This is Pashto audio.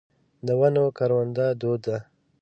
د ونو کرونده دود ده.